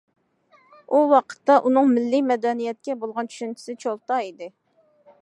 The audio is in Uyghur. ئۇ ۋاقىتتا ئۇنىڭ مىللىي مەدەنىيەتكە بولغان چۈشەنچىسى چولتا ئىدى.